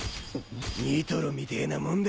ニトロみてぇなもんだ。